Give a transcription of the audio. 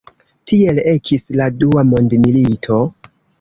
Tiel ekis la Dua mondmilito.